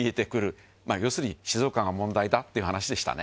廚垢襪静岡が問題だっていう話でしたね。